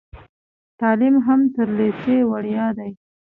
تعلیم هم تر لیسې وړیا دی.